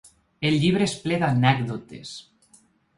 El llibre és ple d’anècdotes.